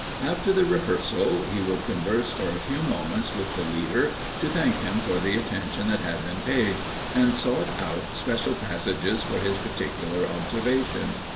After the rehearsal, he would converse for a few moments with the leader, to thank him for the attention that had been paid, and sought out especial passages for his particular observation.